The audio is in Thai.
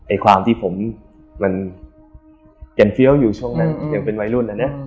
ไอ้ความมันรีบร้อยอยู่ช่องนนั้นยังเป็นวัยรุ่นแล้วเนี่ย